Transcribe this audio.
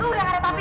udah gak ada papi